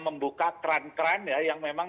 membuka kran kran yang memang